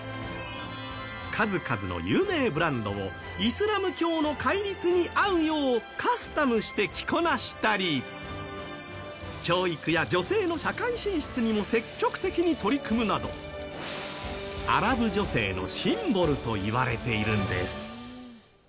数々の有名ブランドをイスラム教の戒律に合うようカスタムして着こなしたり教育や女性の社会進出にも積極的に取り組むなどアラブ女性のシンボルといわれているんです。